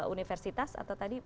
empat puluh universitas atau tersebut